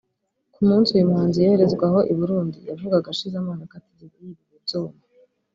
Ku munsi uyu muhanzi yoherezwaho i Burundi yavugaga ashize amanga ko atigeze yiba ibi byuma